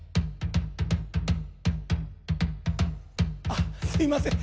あすいません。